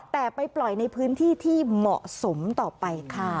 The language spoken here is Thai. แต่ไปปล่อยในพื้นที่ที่เหมาะสมต่อไปค่ะ